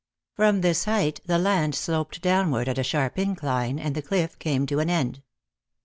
Prom this height the land sloped downward at a sharp incline and the cliff came to an end.